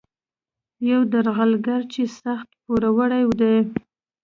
یو درغلګر چې سخت پوروړی دی.